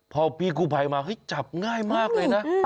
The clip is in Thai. พอพี่กู้ภัยมาเฮ้ยจับง่ายมากเลยนะ